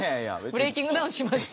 ブレイキングダウンしました？